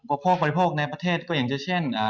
อุปโภคบริโภคแถมในประเทศก็ยังเช่น